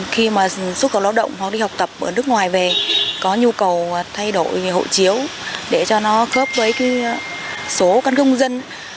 khi mà xuất khẩu lao động hoặc đi học tập ở nước ngoài về có nhu cầu thay đổi về hộ chiếu để cho nó khớp với số các công dân